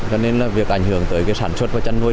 cho nên là việc ảnh hưởng tới cái sản xuất và chăn nuôi